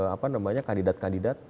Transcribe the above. apa namanya kandidat kandidat